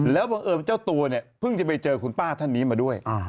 แล้วบังเอิญเจ้าตัวเนี่ยเพิ่งจะไปเจอคุณป้าท่านนี้มาด้วย